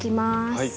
はい。